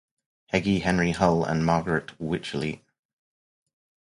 Heggie, Henry Hull and Margaret Wycherly.